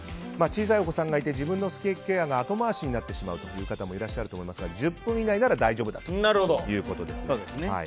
小さいお子さんがいて自分のスキンケアが後回しになってしまう方もいらっしゃると思いますが１０分以内だったら大丈夫だということですね。